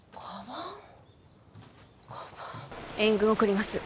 援軍を送ります。